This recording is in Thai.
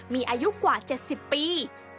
มีอายุกว่า๗๐ปี